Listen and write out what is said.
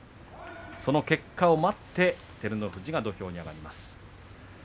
その結果を待って照ノ富士が土俵に上がります。